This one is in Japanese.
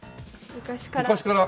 昔から。